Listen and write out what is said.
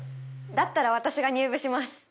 だったら私が入部します。